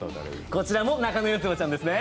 こちらも中野四葉ちゃんですね。